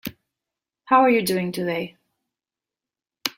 How are you doing today?